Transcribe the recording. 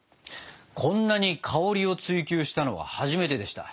こんなに香りを追求したのは初めてでした。